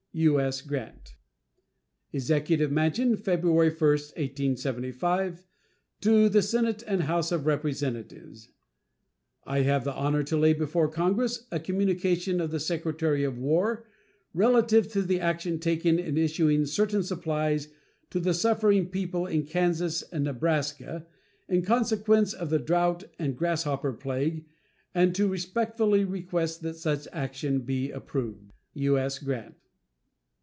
U.S. GRANT. EXECUTIVE MANSION, February 1, 1875. To the Senate and House of Representatives: I have the honor to lay before Congress a communication of the Secretary of War relative to the action taken in issuing certain supplies to the suffering people in Kansas and Nebraska, in consequence of the drought and grasshopper plague, and to respectfully request that such action be approved. U.S. GRANT.